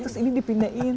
terus ini dipindahin